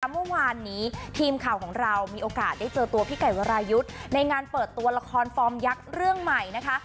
เมื่อวานนี้ทีมข่าวของเรามีโอกาสได้เจอตัวพี่ไก่วรายุทธ์ในงานเปิดตัวละครฟอร์มยักษ์เรื่องใหม่นะคะ